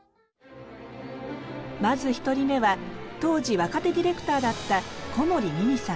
まず１人目は当時若手ディレクターだった小森美巳さん。